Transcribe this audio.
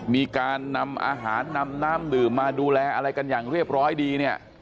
มีการนำอาหารนำน้ำดื่มมาดูแลอะไรกันอย่างเรียบร้อยดีเนี่ย